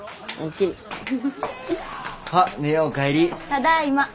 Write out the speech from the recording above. ただいま。